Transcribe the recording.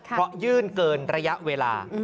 เพราะยื่นเกินระยะเวลา